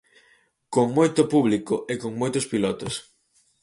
Con moito público e con moitos pilotos.